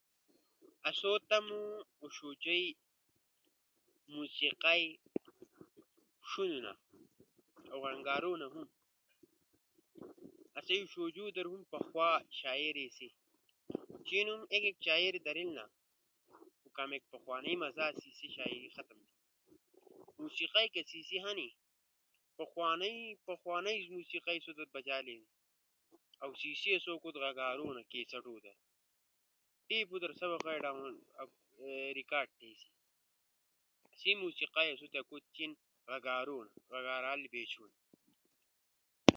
آسو تمو اُݜوجو موسیقئی ݜُنونا، اؤ غنگارونا ہم، آسئی اُݜوجو در ہم پخوا شاعری تھینی۔ کے نوم ایک ایک شاعر دھریلنا، خو کامیک پخوانئی مزا تھینو سا شاعری ختم بینو۔ موسیقئی کہ سیسی ہنی پخوانئی موسیقئی سوزور بجا لینا۔ اؤ سیسی آسو ست بجارونا کیسٹو در سئی موسیقئی آسو تی چین غگارونا، لالو بیچھونا۔